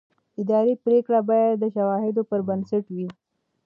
اداري پرېکړه باید د شواهدو پر بنسټ وي.